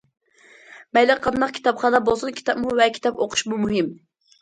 مەيلى قانداق كىتابخانا بولسۇن، كىتابمۇ ۋە كىتاب ئوقۇشمۇ مۇھىم.